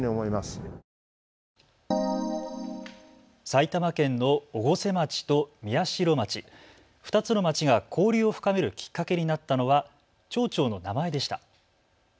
埼玉県の越生町と宮代町、２つの町が交流を深めるきっかけになったのは町長の名前でした。